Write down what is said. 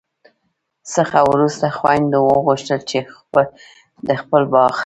څخه وروسته خویندو وغوښتل چي د خپل باغ